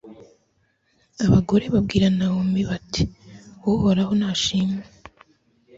abagore babwira nawomi, bati uhoraho nashimwe